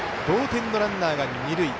同点のランナーが二塁。